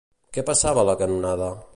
Què passava a la canonada?